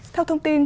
theo thông tin